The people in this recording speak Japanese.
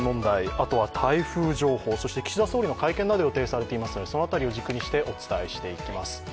あとは台風情報、岸田総理の会見などを予定されていますのでその辺りを軸にしてお伝えしてまいります。